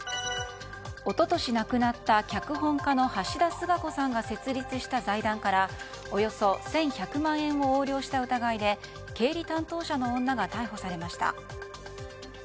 一昨年亡くなった脚本家の橋田壽賀子さんが設立した財団から、およそ１１００万円を横領した疑いで経理担当者の女が逮捕されました。